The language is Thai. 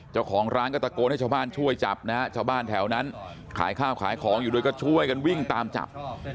เจ้าของร้านก็ตะโกนให้ชาวบ้านช่วยจับนะฮะชาวบ้านแถวนั้นขายข้าวขายของอยู่ด้วยก็ช่วยกันวิ่งตามจับ